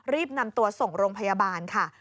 รีบนำตัวส่งโรงพยาบาลค่ะ